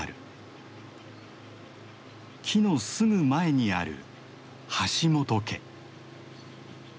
木のすぐ前にある橋本家。